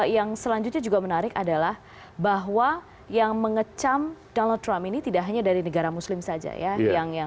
yang selanjutnya juga menarik adalah bahwa yang mengecam donald trump ini tidak hanya dari negara muslim saja ya